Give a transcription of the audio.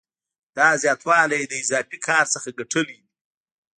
دا زیاتوالی یې له اضافي کار څخه ګټلی دی